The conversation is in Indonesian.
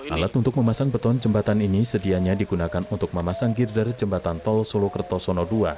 alat untuk memasang beton jembatan ini sedianya digunakan untuk memasang girder jembatan tol solo kertosono ii